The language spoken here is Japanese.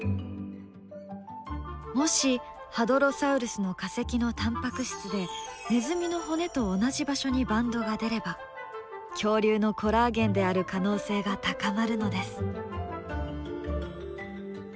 もしハドロサウルスの化石のタンパク質でネズミの骨と同じ場所にバンドが出れば恐竜のコラーゲンである可能性が高まるのです。